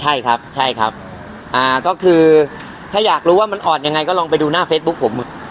ใช่ครับใช่ครับอ่าก็คือถ้าอยากรู้ว่ามันออดยังไงก็ลองไปดูหน้าเฟซบุ๊คผม